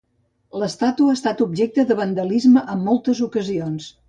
L'estàtua ha estat objecte de vandalisme en moltes ocasions.